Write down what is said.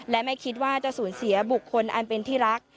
และไม่คิดว่าจะสูญเสียบุคคลอันเป็นที่รัก